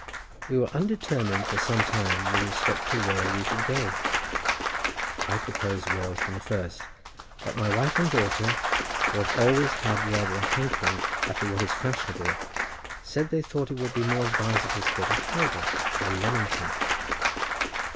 We were undetermined for some time with respect to where we should go. I proposed Wales from the first, but my wife and daughter, who have always had rather a hankering after what is fashionable, said they thought it would be more advisable to go to Harrowgate or Leamington.